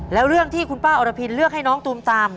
แล้วเรื่องที่คุณป้าอรพินเลือกให้น้องตูมตาม